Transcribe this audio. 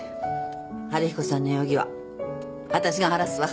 春彦さんの容疑は私が晴らすわ。